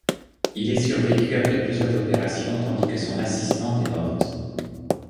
Il est survécu après plusieurs opérations tandis que son assistante est morte.